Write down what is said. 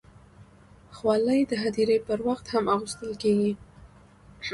خولۍ د هدیرې پر وخت هم اغوستل کېږي.